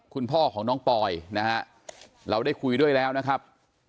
คุณพ่อของน้องปอยนะฮะเราได้คุยด้วยแล้วนะครับ